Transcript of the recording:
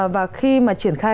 và khi mà triển khai